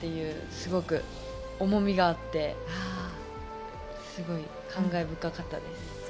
すごく重みがあってすごい感慨深かったです。